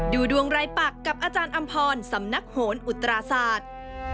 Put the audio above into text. ดูดวงรายปักกับอาจารย์อำพรสำนักโหนอุตราศาสตร์